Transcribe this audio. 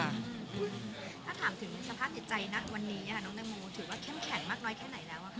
ถ้าถามถึงสภาพจิตใจณวันนี้น้องแตงโมถือว่าเข้มแข็งมากน้อยแค่ไหนแล้วอะค่ะ